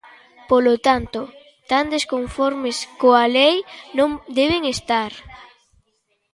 Polo tanto, tan desconformes coa lei non deben estar.